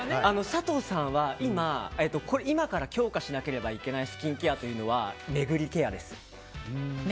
佐藤さんは今から強化しなければいけないスキンケアは巡りケアです。